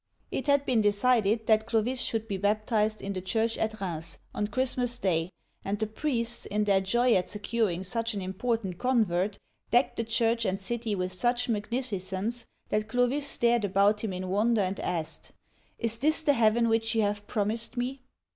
" Digitized by Google CLOVIS (481 5 1 1) 51 It had been decided that Clovis should be baptized in the church at Rheims, on Christmas Day, and the priests, in their joy at securing such an important convert, decked the church and city with such magnificence that Clovis stared about him in wonder, and asked, " Is this the heaven which you have promised me